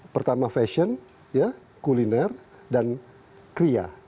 pertama fashion kuliner dan kria